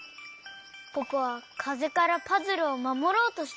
ポポはかぜからパズルをまもろうとしてくれたんですね。